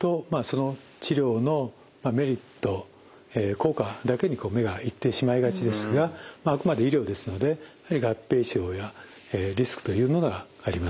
効果だけに目が行ってしまいがちですがあくまで医療ですのでやはり合併症やリスクというものがあります。